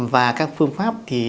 và các phương pháp thì